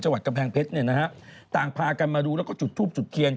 วัดกำแพงเพชรเนี่ยนะฮะต่างพากันมาดูแล้วก็จุดทูบจุดเทียน